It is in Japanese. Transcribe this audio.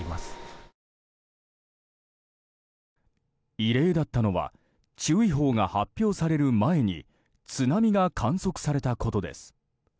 異例だったのは注意報が発表される前に津波が観測されたことです。